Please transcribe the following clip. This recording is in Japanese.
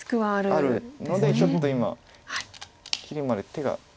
あるのでちょっと今切りまで手が。